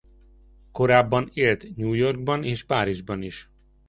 Korábban élt New Yorkban és Párizsban is.